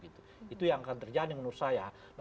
itu yang akan terjadi menurut saya